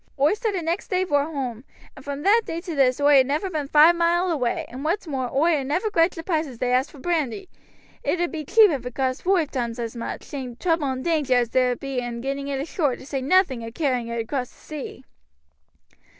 Oi started next day vor hoam, and from that day to this oi ha' never been five mile away, and what's more, oi ha' never grudged the price as they asked for brandy. It ud be cheap if it cost voive toimes as much, seeing the trouble and danger as there be in getting it ashore, to say nothing o' carrying it across the sea."